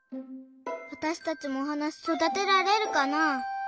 わたしたちもおはなそだてられるかな？